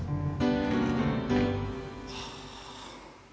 はあ。